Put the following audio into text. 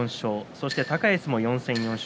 そして高安も４戦４勝。